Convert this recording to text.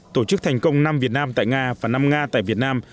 tổ chức thành công năm việt nam tại nga và năm nga tại việt nam